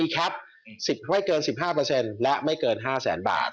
แคปไม่เกิน๑๕และไม่เกิน๕แสนบาท